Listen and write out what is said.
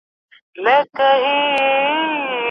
کار د پرمختګ لاره ده.